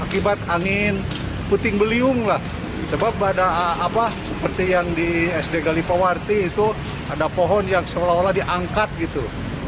akibat angin puting beliung lah sebab pada seperti yang di sd galipawarti itu ada pohon yang seolah olah diangkat gitu